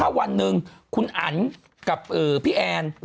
ถ้าวันหนึ่งคุณอันกับพี่แอน